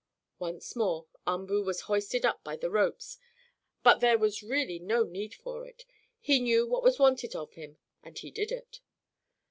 Once more Umboo was hoisted up by the ropes, but there was really no need for it. He knew what was wanted of him, and he did it.